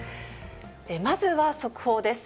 まずは速報です。